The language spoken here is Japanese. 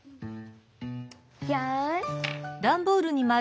よし。